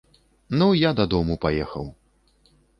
Ну, я дадому паехаў.